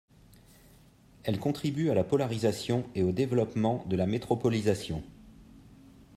Elles contribuent à la polarisation et au développement de la métropolisation.